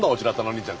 凜ちゃん